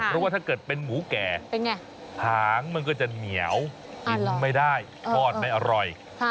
เพราะว่าถ้าเกิดเป็นหมูแก่หางมันก็จะเหนียวกินไม่ได้ทอดไม่อร่อย